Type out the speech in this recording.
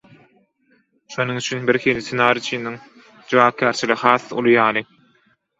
Şonuň üçin, birhili ssenariçiniň jogapkärçiligi has uly ýaly.